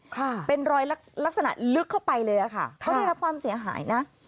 ค่ะเป็นรอยลักษณะลึกเข้าไปเลยอ่ะค่ะเขาได้รับความเสียหายนะ